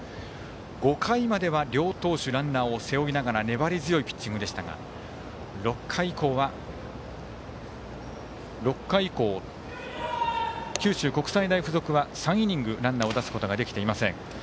５回までは、両投手ランナーを背負いながら粘り強いピッチングでしたが６回以降九州国際大付属は３イニングランナーを出すことはできていません。